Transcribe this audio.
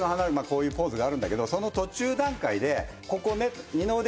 こういうポーズがあるんだけどその途中段階でここね二の腕